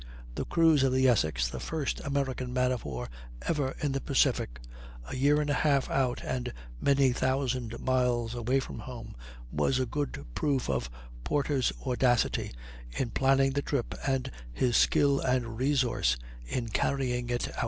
The cruise of the Essex, the first American man of war ever in the Pacific, a year and a half out and many thousand miles away from home, was a good proof of Porter's audacity in planning the trip and his skill and resource in carrying it out.